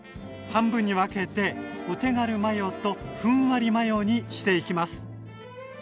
半分に分けてお手軽マヨとふんわりマヨにしていきます。